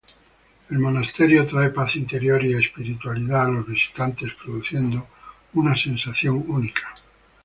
El monasterio trae paz interior y espiritualidad a los visitantes, produciendo una sensación única.